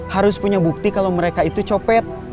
harus punya bukti kalau mereka itu copet